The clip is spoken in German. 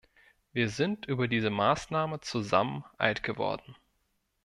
Wir sind über diese Maßnahme zusammen alt geworden.